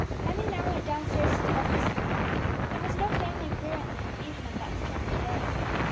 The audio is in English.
Emmie now went down stairs to the breakfast room; there was no family prayer in the confusion of that strange day.